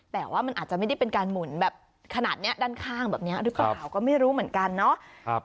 แต่ว่ามันอาจจะไม่ได้เป็นการหมุนแบบขนาดนี้ด้านข้างแบบนี้หรือเปล่าก็ไม่รู้เหมือนกันเนาะ